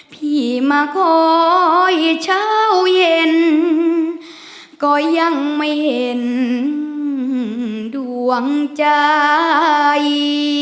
พี่มาคอยเช้าเย็นก็ยังไม่เห็นดวงใจ